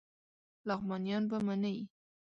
لغمانیان به منی